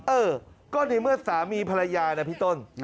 เออก็ในเมื่อสามีภรรยานะพี่ต้น